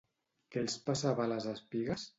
Què els passava a les espigues?